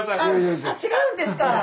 あ違うんですか。